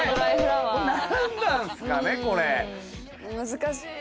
難しい。